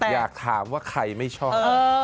อยากถามว่าใครไม่ชอบ